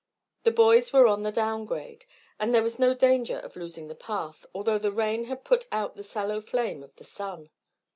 The boys were on the down grade, and there was no danger of losing the path, although the rain had put out the sallow flame of the sun.